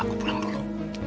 aku pulang dulu